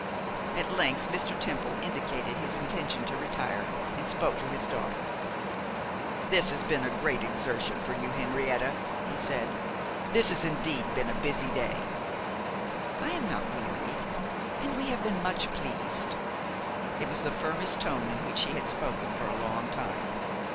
At length Mr. Temple indicated his intention to retire, and spoke to his daughter. 'This has been a great exertion for you, Henrietta,' he said; 'this has indeed been a busy day.' 'I am not wearied; and we have been much pleased.' It was the firmest tone in which she had spoken for a long time.